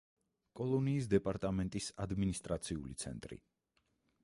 კოლონიის დეპარტამენტის ადმინისტრაციული ცენტრი.